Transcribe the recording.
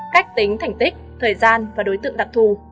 cách tính thành tích thời gian và đối tượng đặc thù